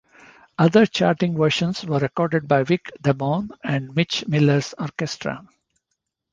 Other charting versions were recorded by Vic Damone and Mitch Miller's Orchestra.